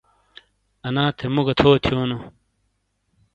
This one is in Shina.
انا تھے مو گہتھو تھیونو ؟